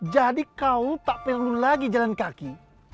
jadi kau tak perlu lagi jalan kaki